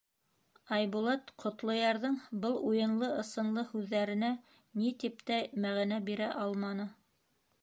Айбулат Ҡотлоярҙың был уйынлы-ысынлы һүҙҙәренә ни тип тә мәғәнә бирә алманы.